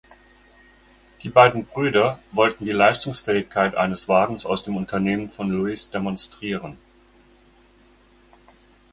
Die beiden Brüder wollten die Leistungsfähigkeit eines Wagens aus dem Unternehmen von Louis demonstrieren.